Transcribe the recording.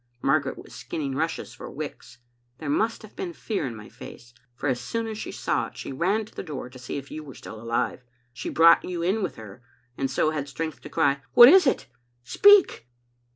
Margaret was skinning rushes for wicks. There must have been fear in my face, for as soon as she saw it she ran to the door to see if you were still alive. She brought you in with her, and so had strength to cry, 'What is it? Speak!'